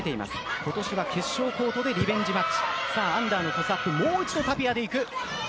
今年は決勝コートでリベンジマッチ。